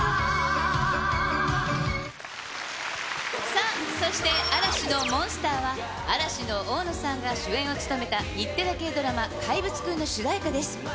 さあ、そして嵐のＭｏｎｓｔｅｒは、嵐の大野さんが主演を務めた日テレ系ドラマ、怪物くんの主題歌です。